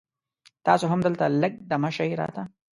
تاسو هم دلته لږ دمه شي را ته